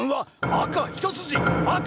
赤一筋！